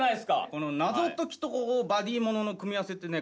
この謎解きとバディものの組み合わせってね